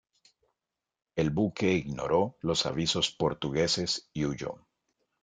El buque ignoró los avisos portugueses y huyó.